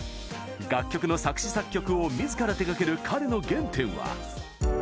楽曲の作詞・作曲をみずから手がける彼の原点は。